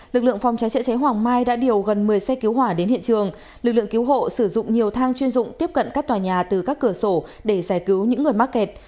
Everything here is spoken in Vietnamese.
lực lượng phòng cháy chữa cháy hoàng mai đã điều gần một mươi xe cứu hỏa đến hiện trường lực lượng cứu hộ sử dụng nhiều thang chuyên dụng tiếp cận các tòa nhà từ các cửa sổ để giải cứu những người mắc kẹt